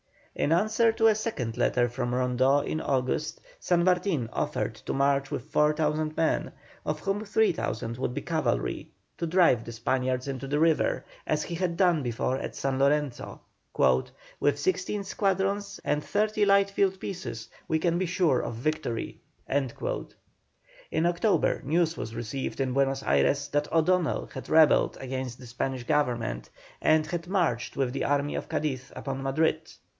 In answer to a second letter from Rondeau in August, San Martin offered to march with 4,000 men, of whom 3,000 would be cavalry, to drive the Spaniards into the river, as he had done before at San Lorenzo; "with sixteen squadrons and thirty light field pieces we can be sure of victory." In October news was received in Buenos Ayres that O'Donnell had rebelled against the Spanish Government, and had marched with the army of Cadiz upon Madrid.